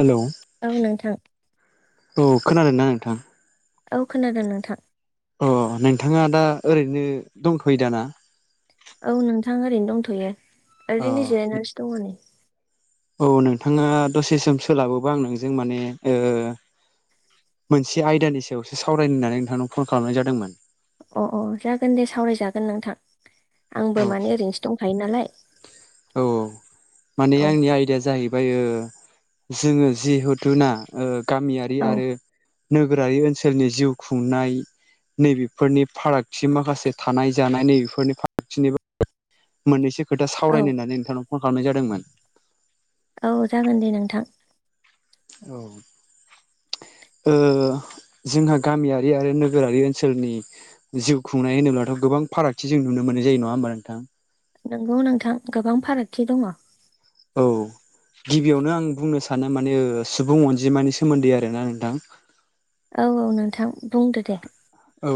Hello औ नोंथां। औ खोनादोंना नोंथां? औ खोनादों नोंथां। अ नोंथाङा दा ओरैनो दंथ'यो दा ना? औ नोंथां ओरैनो दंथ'यो अ ओरैनो जिरायनानसो दङ नै। औ नोंथाङा दसे सम सोलाबोबा आं नोंजों माने ओ मोनसे आयदानि सायावसो सावरायनो होन्नानै नोंथांनाव फन खालामनाय जादोंमोन। अ अ जागोन दे सावराय जागोन नोंथां। औ आंबो माने ओरैनोसो दंखायो नालाय। औ माने औ आंनि आयदाया जाय बाय ओ जोङो जिहेथुना गामियारि औ आरो नोगोरारि ओनसोलनि जिउ खुंनाय। नैबेफोरनि फारागथि माखासे थानाय जानाय नैबेफोरनि फारागथिनिबो मोननैसो खोथा औ सावरायनो होननानै नोंथांनाव फन खालामनाय जादोंमोन। औ जागोन दे नोंथां। औ। ओ जोंहा गामियारि आरो नोगोरारि ओनसोलनि जिउ खुंनाय होनोब्लाथ' गोबां फारागथि जों नुनो मोननाय जायो नङा होमबा नोंथां। नोंगौ नोंथां गोबां फारागथि दङ। औ। गिबियावनो आं बुंनो सानो माने सुबुं अनजिमानि सोमोन्दै आरोना नोंथां औ औ नोंथां बुंदो दे। औ।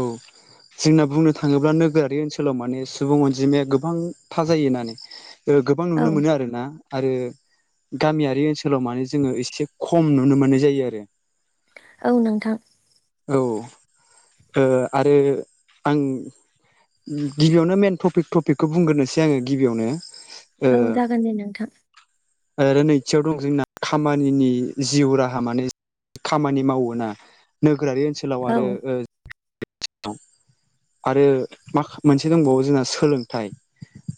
जोंना बुंनो थाङोब्ला नोगोरारि ओनसोलाव माने सुबुं अनजिमाया गोबां थाजायो होननानै गोबां औ नुनो मोनो आरोना आरो गामियारि ओनसोल सोलाव माने जोङो एसे खम नुनो मोननाय जायो आरो। औ नोंथां। औ औ ओ आरो आं गिबियावनो मेन टपिक टपिकखौ बुंग्रोनोसै आङो गिबियावनो औ ओ जागोन दे नोंथां। आरो नैथियाव दं जोंना खामानिनि जिउ राहा माने खामानि मावोना नोगोरारि ओनसोलाव औ आरो [unintelligible] आरो मांगा मोनसे दंबावो जोंना सोलोंथाइ।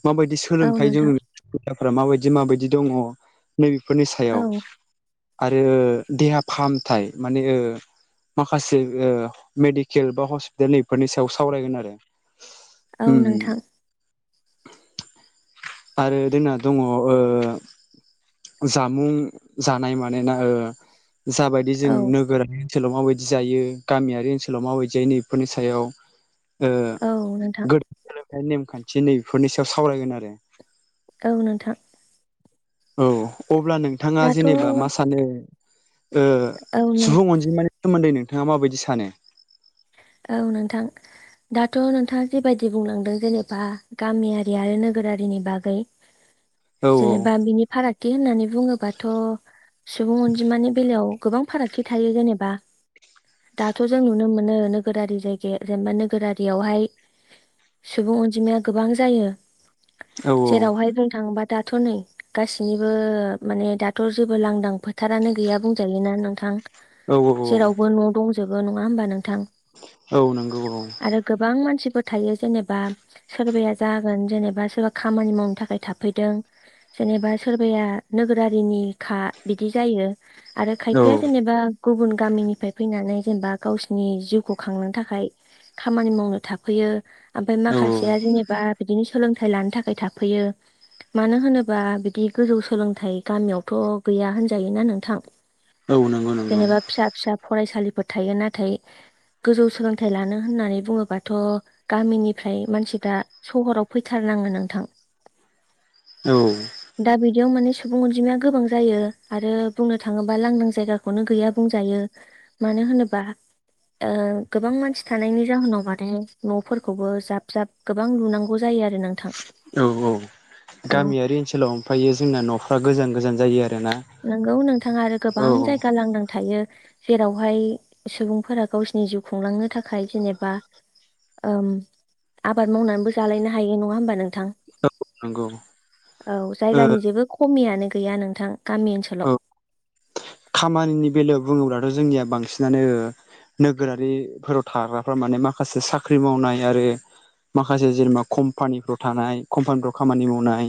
माबायदि औ सोलोंथायाइ नोंथां जोङो सुबिदाफ्रा माबायदि माबायदि दङ। नैबेफोरनि सायाव औ आरो देहा फाहामथाय माने ओ माखासे ओ मेडिकेल बा हस्पिटाल नैफोरनि सायाव सावरायगोन आरो। औ उम नोंथां। आरो जोंना दङ ओ जामुं जानाय मानोना ओ जाबायदि जों औ नोगोरारि ओनसोलाव माबायदि जायो गामियारि ओनसोलाव माबायदि जायो नै बेफोरनि सायाव ओ औ नोंथां [unintelligible] सोलोंथाइ नेमखान्थि नैबेफोरनि सायाव सावरायगोन आरो। औ नोंथां। औ अब्ला नोंथाङा दाथ' औ जेनेबा मा सानो ओ नों सुबुं अनजिमानि सोमोन्दै नोंथाङा माबायदि सानो औ नोंथां दाथ' नोंथाङा जिबायदि बुंलांदों जेनेबा गामियारि आरो नोगो नोगोरारिनि बागै। [unintelligible] जेनेबा बिनि फारागथि होननानै बुङोबाथ' सुबुं अनजिमानि बेलायाव गोबां फारागथि थायो जेनेबा दाथ' जों नुनो मोनो नो नोगोरारि जायगाया जेनेबा नोगोरारियावहाय सुबुं अनजिमाया गोबां जायो। औ जेरावहाय जों थाङोबा। दाथ' नै गासिनिबो माने दाथ' जेबो लांदां फोथारानो गैया बुंजायोना नोंथां? औ जेरावबो न' दंजोबो नङा होमबा नोंथां। औ नोंगौ औ। आरो गोबां मानसिफोर थायो जेनेबा सोरबाया जागोन जेनेबा सोरबा खामानि मावनो थाखाय थाफैदों। जेनेबा सोरबाया नोगोरारिनि खा बिदि जायो। आरो औ खायफाया जेनेबा गुबुन गामिनिफ्राय फैनानै जेनेबा गावसिनि जिउखौ खांनो थाखाय खामानि मावनो थाफैयो आमफाय औ माखासेया जेनेबा बिदिनो सोलोंथाइ लानो थाखाय थाफैयो मानो होनोबा बिदि गोजौ सोलोंथाइ गामियावथ' गैया होनजायोना नोंथां औ नंगौ नंगौ जेनेबा फिसा फिसा फरायसालिफोर थायो नाथाय [unintelligible] गोजौ सोलोंथाइ लानो होननानै बुङोबाथ' गामिनिफ्राय मानसिफ्रा सहराव फैथारनाङो नोंथां [unintelligible] दा बिदियाव माने सुबुं अनजिमाया गोबां जायो आरो बुंनो थाङोबा लांदां जायगाखौनो गैया बुंजायो मा नो होनोबा [unintelligible] ओ गोबां मानसि थानायनि जाहोनाव माने न'फोरखौबो जाब जाब गोबां लुनांगौ जायो आरो नोंथां औ औ औ गामियारि ओनसोलाव ओमफ्रायायो जोंना न'फ्रा गोजान गोजान जायो आरो । नोंगौ नोंथाङा आरो गोबां जायगा लांदां थायो । जेरावहाय सुबुंफोरा गावसिोरनि जिउ खुंलांनो थाखाय जेनेबा ओ आबाद मावनानैबो जालायनो हायो नङा होमबा नोंथां? नंगौ औ ओ जायगानि जेबो खमियानो गैया नोंथां गामि औ ओनसोलाव खामानिनि बेलायाव बुङोब्लाथ' जोंनिया बांसिनानो नोगोरारिफोराव थाग्राफ्रा माने माखासे साख्रि मावनाय आरो माखासे जेनेबा कम्पानिफ्राव थानाय कम्पानिफ्राव खामानि मावनाय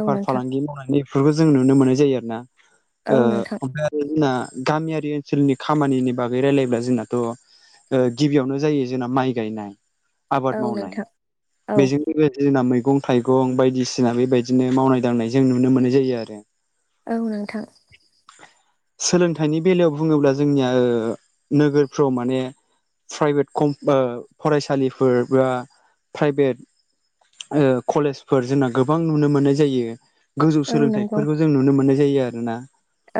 औ नोंथां फालांगि मावनाय बेफोरखौ जों नुनो मोननाय जायो आरो ना । औ नोंथां । जोंना गामियारि ओनसोलनि खामानिनि बागै रायलायब्ला जोंनाथ' गिबियावनो जायो जोंना माइ गायनाय । औ आबाद मावनाय नोंथां औ बेजों लोगोसे जोंना मै मैगं थाइगं बायदिसिना बेबायदिनो मावनाय दांनाय जों नुनो मोननाय जायो आरो । औ नोंथां । सोलोंथाइनि बेलायाव बुङोब्ला जोंनिया नोगोरफ्राव माने प्राइभेट कम ओ फरायसालिफोर बा प्राइभेट कलेजफोर जोंना गोबां नुनो मोननाय जायो । गोजौ औ नंगौ सोलोंथाइफोरखौ जों नुनो मोननाय जायो आरोना ।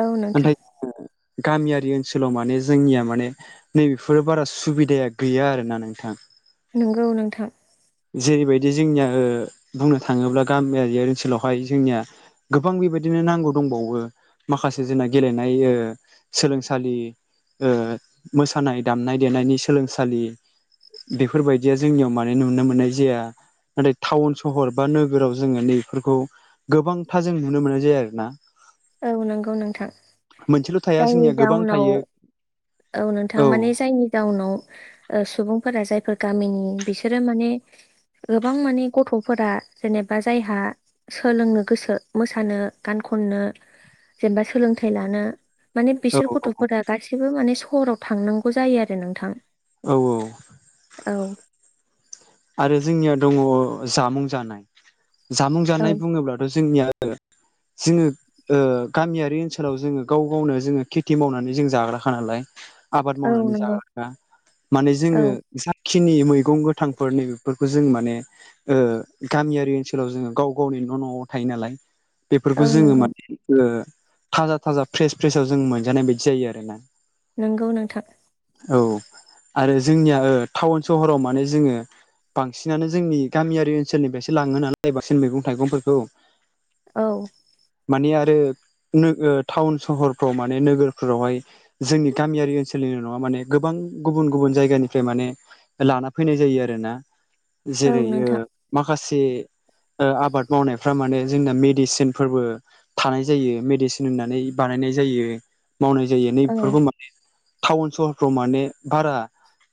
औ नोंथां । गामियारि ओनसोलाव माने जोंनिया माने नैबेफोरो बारा सुबिदाया गैया आरोना नोंथां । नंगौ नोंथां । जेरैबायदि जोंनिया बुंनो थाङोब्ला गामियारि ओनसोलावहाय जोंनिया गोबां बेबा इबिदिनो नांगौ दंबावो माखासे जोंना गेलेनाय सोलोंसालि मोसानाय दामनाय देनायनि सोलोंसालि बेफोरबायदिया जोंनियाव माने नुनो मोननाय जाया । नाथाय टाउन सहर बा नोगोराव जोङो नैफोरखौ गोबांथा जों नुनो मोननाय जाया आरो ना । औ नंगौ नोंथां थाया जोंनिया जायनि गोबां जाउनाव थायो औ नोंथां माने जायनि गउनाव सुबुंफोरा जायफोर गामिनि बिसोरो माने गोबां माने गथ'फोरा जेनेबा जायहा सोलोंनो गोसो मोसानो गानखौ खननो जेनबा सोलोंथाइ लानो माने बिसोर औ गथ'फोरा गासैबो माने सहराव थांनांगौ जायो आरो नोंथां । औ औ । आरो जोंनिया दङ जामुं जानाय जामुं औ जानाय बुङोब्लाथ' जोंनिया [unintelligible] जोङो ओ गामियारि ओनसोलाव जोङो गाव गावनो जोङो खेथि मावनानै जों जाग्राखा नालाय आबाद औ मावनानै नंगौ जाग्राख्रा माने जोङो औ जाखिनि मैगं गोथां फोर नैबेेफोरखौ जों माने ओ गामियारि ओनसोलाव जोङो गाव गावनि न' न'आव थायो नालाय औ बेफोरखौ जोङो नंगौ माने ओ थाजा थाजा फ्रेस फ्रेसाव जों मोनजानाय बायदि जायो आरो ना नंगौ नोंथा । औ आरो जोंनिया टाउन सहराव माने जोङो बांसिनानो जोंनि गामियारि ओनसोलनिफ्रायसो लाङो नालाय बांसिन मैगं थाइगंफोरखौ । औ । माने आरो नो टाउन सहरफ्राव माने नोगोरफोरावहाय जोंनि गामियारि ओनसोलनिल' नङा माने गोबां गुबुन गुबुन जायगानिफ्राय माने लाना फैनाय जायो आरो ना औ जेरै ओ नोंथां माखासे ओ आबाद मावनायफ माने जोंना मेडिसिनफोरबो थानाय जायो मेडिसिन होननानै बानाय नाय जायो मावनाय जायो नै औ बेफोरखौ माने टाउन सहरफ्राव माने बारा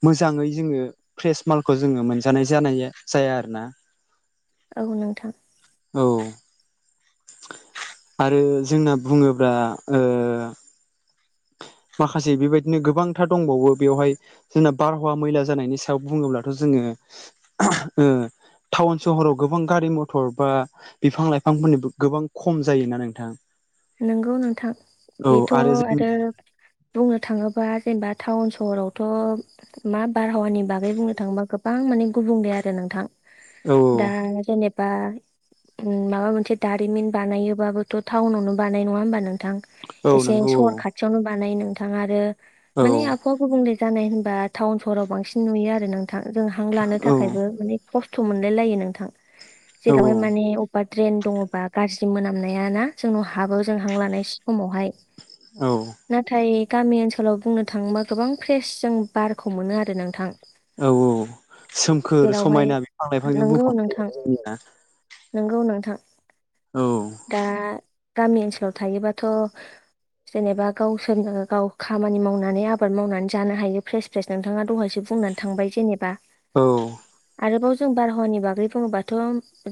मोजाङै जोङो फ्रेस माल खौ जोङो मोनजानाय जानाया जाया आरोना औ नोंथां। औ आरो जोंना बुङोब्ला ओ माखासे बेबायदिनो गोबांथार दंबावो बेवहाय जोंना बारहावा मैला जानायनि सायाव बुङोब्लाथ' जोङो ओ टाउन सहराव गोबां गारि मथर, बा बिफां लाइफांफोरनिबो गोबां खम जायोना नोंथां । नंगौ नोंथां बेथ' जोंनि आरो बुंनो थाङोबा जेनेबा टाउन सहरावथ' मा बारहावानि बागै बुंनो थाङोबा गोबां मा ने गुबुंले आरो नोंथां। औ दा जेने बा माबा मोनसे दारिमिन बानायोबाबोथ' टाउनावनो बानाय नङा होमबा नों थां औ एसे नंगौ सहर औ खाथियावनो बानायो नोंथां आरो औ माने आबहावा गुबुंले जानाय होनबा टाउन सहराव बांसिन नुयो आरो नोंथां जों हां लानो औ थाखायबो माने खस्थ' मोनलाय लायो नोंथां। जेरावहाय औ माने अबेबा द्रेन दङबा गाज्रि मोनामनाया ना जोंनाव हाबो जों हां लानाय समावहाय औ नाथाय गामि ओनसोलाव बुंनो थाङोबा गोबां फ्रेस जों बारखौ मोनो आरो नोंथां। औ औ । सोमखोर जेरावहाय समायना बिफां लाइफांजों नंगौ बुंफबनाय नोंथां जायोना आरो जोंनिया नंगौ नोंथां औ दा गामि ओनसोलाव थायोबाथ' जेनेबा गावसोरनो गाव खामानि मावनानै आबाद मावनानै जानो हायो फ्रेस फेस नोंथाङा दहायसो बुंनानै थांबाय जेनेबा औ। आरोबाव जों बारहावानि बागै बुङोबाथ'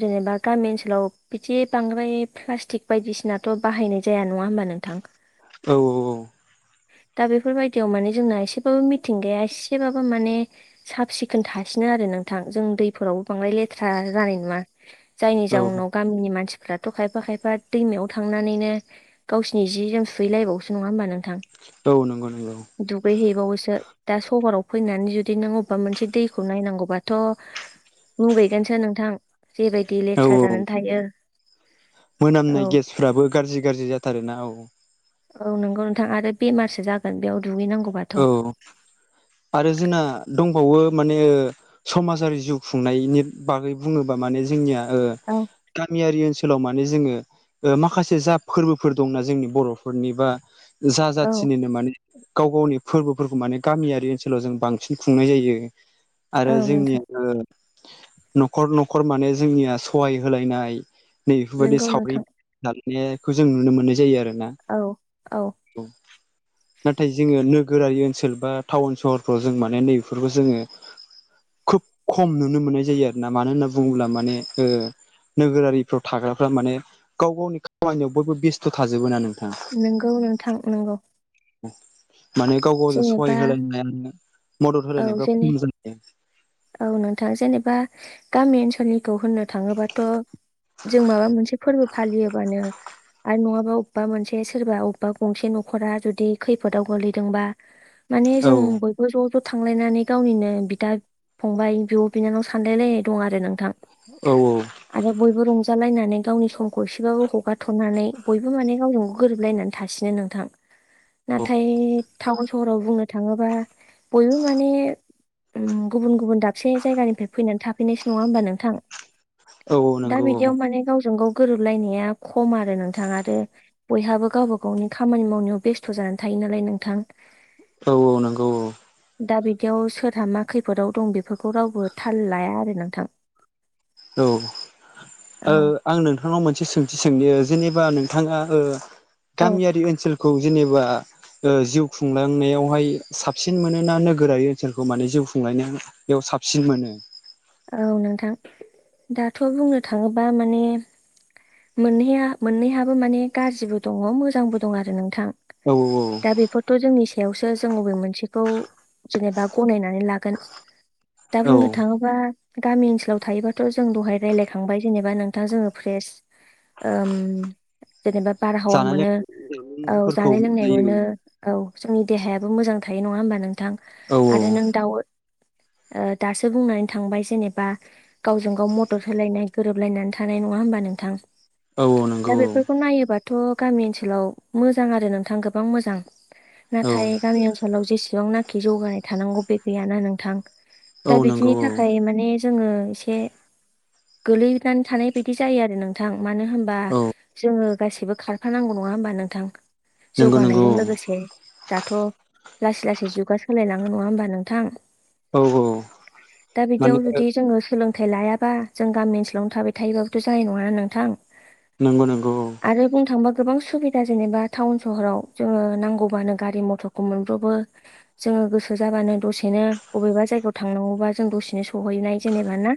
जेनेबा गामि ओनसोलाव बिदि बांद्राय प्लास्टिक बायदिसिनाथ' बाहायनाय जाया नङा होमबा नोंथां? औ औ औ। दा बेफोरबायायदियाव माने जोंना एसेबाबो मिथिंगाया एसेबाबो माने साब सिखोन थासि नो आरो नोंथां। जों दैफोरावबो बांद्राय लेथ्रा जानाय नुवा जायनि औ जाउनाव गामिनि मानसिफ्राथ' खायफा खायफा दैमायाव थांनानैनो गावसिनि जि जोम सुहैलायबावोसो नङा होमबा नों थां औ नंगौ नंगौ दुगै हैैबावोसो दा सहराव फैनानै जुदि नों अबेबा मोनसे दैखौ नायनांगौबाथ' मुगैगोनसो नोंथां जेबायदि औ लेथ्रा औ जानानै थायो औ मोनामनाय गेसफ्राबो गाज्रि गाज्रि जाथारो ना औ औ नंगौ नोंथां आरो बेमारसो जागोन बेयाव दुगैनांगौबाथ' औ आरो जोंना दंबावो माने ओ समाजारि जिउ खुंनायनि बागै बुङोबा माने जोंनिया ओ औ गामियारि ओनसोलाव मा माने जोङो माखासे जा फोरबोफोर दंना जोंनि बर'फोरनि बा जा औ जाथिनिनो माने गाव गावनि फोरबोफोरखौ माने गामियारि ओनसोलाव जों बांसिन खुंनाय जायो आरो औ जोंनिया नोंथां ओ न'खर न'खर माने जोंनिया सहाय होलायनाय नै बेफोरबायदि नंगौ सावरि नोंथां दानायनायखौ जों नुनो मोननाय जायो आरो। औ औ नाथाय जोङो नो नोगोरारि ओनसोल बा टाउन सहरफ्राव जों माने नैबेफोरखौ जोङो खोब खम नुनो मोननाय जायो आरो ना मानो होनना बुङोब्ला माने ओ नोगोरारिफ्राव थाग्राफ्रा माने गाव गावनि खामानियाव बयबो बेस्थ' थाजोबबोना नों नोंगौ नोंथां नंगौ। माने गाव-गावजों जेनेबा सहाय होलायनायानो मदद औ होलायनायफ्रा जेने खम जाहैयो। औ नोंथाङा जेनेबा गामि ओनसोलनि- खौ होननो थाङोबाथ' जों माबा मोनसे फोरबो- फालियोबानो आरो नङाबा अबेबा मोनसे सोरबा अबेबा गंसे न'खरा जुदि खैफोदाव ग- गोलैदोंबा माने औ जों बयबो ज' ज' थांलायनानै गावनिनो बिदा- फंबाय बिब'-बिनानाव सानलाय लायनाय दं आरो नोंथां। औ औ। गुजालायनानै गावनि समखौ एसेबाबो हगारथ'नानै बयबो माने गावजों गोरोबलायनानै थासिनो नोंथां। नाथाय टाउन सहराव बुंनो थाङोबा बयबो माने उम गुबुन गुबुन दाबसे जायगानिफ्राय फैनानै थाफैनायसो नङा होमबा नोंथां? औ औ दा नंगौ औ बिदियाव माने गावजों-गाव गोरोबलायनाया खम आरो नोंथाङा आरो बयहाबो गावबा-गावनि खामानि मावनायाव बेस्थ' जानानै थायो नालाय नोंथां। औ औ नंगौ औ। दा बिदियाव सोरहा मा खैफोदाव दं बेफोरखौ रावबो थाल लाया आरो नोंथां। औ ओ औ आं नोंथांनाव मोनसे सोंथि सोंनि? जेनेबा नोंथाङा ओ औ गामियारि ओनसोलखौ जेनेबा ओ जिउ खुंलांनायावहाय साबसिन मोनोना नोगोरारि ओनसोलखौ माने जिउ खुंलांनाय बेयाव साबसिन मोनो? औ नोंथां। दाथ' बुंनो थाङोबा माने मोनहैया मोननैहाबो माने गाज्रिबो दङ मोजांबो दं आरो नोंथां। औ औ दा औ बेफोरथ' जोंनि सायावसो जों बबे मोनसेखौ जेनेबा गनायनानै लागोन। दा औ बुंनो थाङोबा गामि ओनसोलाव थायोबाथ' जों दहाय रायज्लायखांबाय जेनेबा नोंथां जोङो फ्रेस ओम जेनेबा बारहावा जानाय मोनो औ लोंनायफोरखौ जानाय-लोंनाय मोनजायो मोनो औ जोंनि देहायाबो मोजां थायो नङा होमबा नोंथां औ आरो नों दाउ [inaudible] ओ दासो बुंनानै थांबाय जेनेबा गावजों-गाव मदद होलायनाय गोरोबलायनानै थानाय। नङा होमबा नोंथां? औ औ दा नंगौ बेफोरखौ नायोब्ला- थ' गामि ओनसोलाव मोजां आरो नोंथां गोबां मोजां। औ नाथाय गामि ओनसोलाव जेसे बेसेबांनाखि जौगानाय थानांगौ बे गैयाना नोंथां। औ दा नंगौ बिदिनि औ थाखाय माने जोङो एसे गोलैनानै थानाय बायदि जायो आरो नों- मानो होनबा औ जोङो गासिबो खारफानांगौ। नङा होमबा नोंथां? नंगौ नंगौ जौगानायजों लोगोसे। दाथ' लासै लासै जुगा सोलायलाङो। नङा होमबा नोंथां? औ औ दा बिदियाव माने जुदि जोङो सोलोंथाइ लायाबा जों गामि ओनसोलावनो थाबाय थायोबाबो' जानाय नङाना नोंथां। नंगौ नंगौ औ। आरो बुंनो थांबा गोबां सुबिदा जेनेबा टाउन सहराव जोङो नांगौबानो गारि मथरखौ मोनब्रबो। जोङो गोसो जाबानो दसेनो बबेबा जायगायाव थांनांगौबा जों दसेनो सहैनाय जेनेबा ना।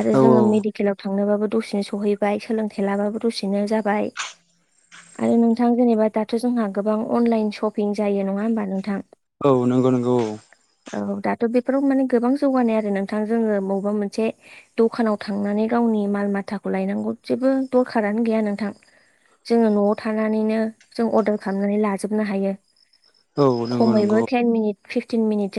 आरो औ जोङो औ मेडिकेलाव थांनोबाबो दसेनो सहैयो। बाय सोलोंथाइ लाबाबो दसेनो जाबाय। आरो नोंथां जेनेबा दाथ' जोंहा गोबां अनलाइन शपिं जायो। नङा होमबा नोंथां? औ नंगौ नंगौ औ। औ दाथ' बेफोराव माने गोबां जौगानाय आरो नोंथां जोङो बबेबा मोनसे दखानाव थांनानै गावनि माल-माथाखौ लायनांगौ जेबो दरखारानो गैया नोंथां। जोङो न'वाव थानानैनो जों अर्डार खालामनानै लाजोबनो हायो। औ नंगौ नंगौ खमैबो औ टेन मिनिट फिफटिन मिनिट जोंनो